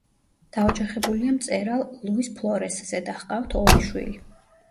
დაოჯახებულია მწერალ ლუის ფლორესზე და ჰყავთ ორი შვილი.